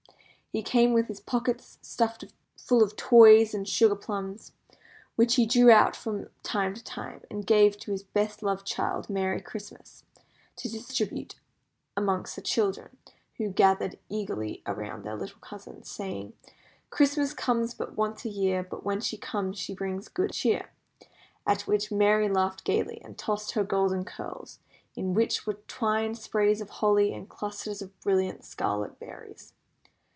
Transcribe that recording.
He came with his pockets stuffed full of toys and sugarplums, which he drew out from time to time, and gave to his best loved child, Merry Christmas, to distribute amongst the children, who gathered eagerly around their little cousin, saying: "Christmas comes but once a year, But when she comes she brings good cheer." At which Merry laughed gaily, and tossed her golden curls, in which were twined sprays of holly and clusters of brilliant scarlet berries.